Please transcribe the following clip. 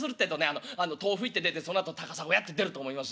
あの『豆腐い』って出てそのあと『高砂や』って出ると思いますんで。